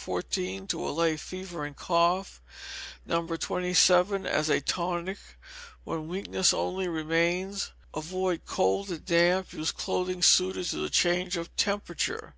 14 to allay fever and cough. No. 27 as a tonic, when weakness only remains. Avoid cold and damp, use clothing suited to the change of temperature.